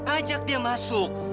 ajak dia masuk